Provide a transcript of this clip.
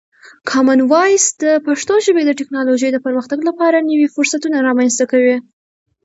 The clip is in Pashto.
کامن وایس د پښتو ژبې د ټکنالوژۍ د پرمختګ لپاره نوی فرصتونه رامنځته کوي.